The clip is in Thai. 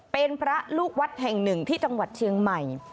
เป็นพระลูกวัดแห่งหนึ่งที่จังหวัดเชียงใหม่